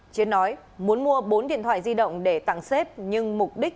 chiến nói muốn mua bốn điện thoại di động để tặng xếp nhưng mục đích